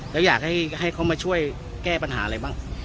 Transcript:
แล้วอยากให้เขามาช่วยแก้ปัญหาอะไรบ้าง